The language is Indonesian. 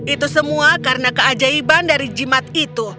itu semua karena keajaiban dari jimat itu